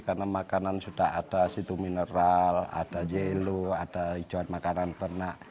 karena makanan sudah ada situ mineral ada jelo ada hijauan makanan peternak